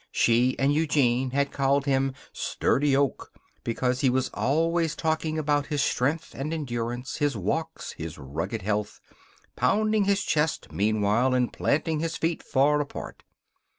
She and Eugene had called him Sturdy Oak because he was always talking about his strength and endurance, his walks, his rugged health; pounding his chest meanwhile and planting his feet far apart.